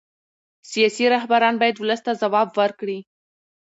سیاسي رهبران باید ولس ته ځواب ورکړي